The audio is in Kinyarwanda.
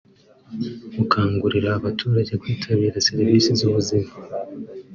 gukangurira abaturage kwitabira serivisi z’ubuzima